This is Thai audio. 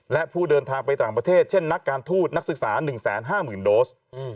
และผู้เดินทางไปต่างประเทศเช่นนักการทูตนักศึกษา๑๕๐๐๐โดส